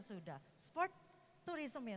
sudah sport tourism nya